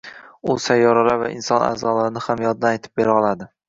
U sayyoralar va inson aʼzolarini ham yoddan aytib bera oladi.